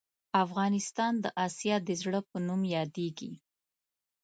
افغانستان د اسیا د زړه په نوم یادیږې